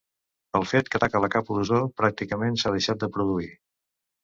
Pel fet que ataca la capa d'ozó pràcticament s'ha deixat de produir.